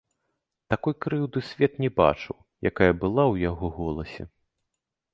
Такой крыўды свет не бачыў, якая была ў яго голасе.